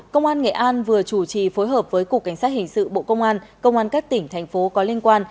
công an nghệ an vừa chủ trì phối hợp với cục cảnh sát hình sự bộ công an công an các tỉnh thành phố có liên quan